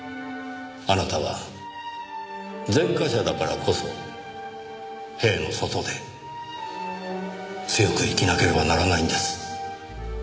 あなたは前科者だからこそ塀の外で強く生きなければならないんです。